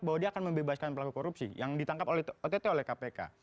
bahwa dia akan membebaskan pelaku korupsi yang ditangkap ott oleh kpk